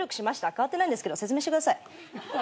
かわってないんですけど説明してください。